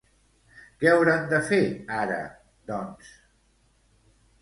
Què hauran de fer ara, doncs?